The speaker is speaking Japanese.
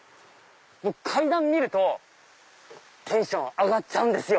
僕階段見るとテンション上がっちゃうんですよ。